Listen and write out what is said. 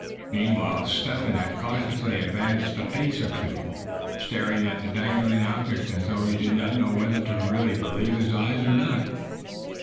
Meanwhile Step Hen had cautiously advanced a pace or two, staring at the dangling object as though he did not know whether to really believe his eyes or not.